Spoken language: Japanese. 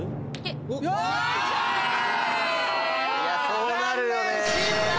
そうなるよね。